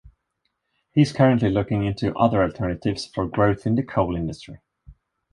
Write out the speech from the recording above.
He is currently looking into other alternatives for growth in the coal industry.